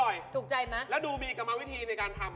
ถูกใจไหมแล้วดูมีกรรมวิธีในการทำ